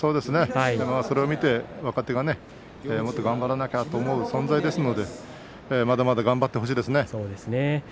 それを見て若手がもっと頑張らなければという存在ですのでまだまだ頑張ってほしいですね。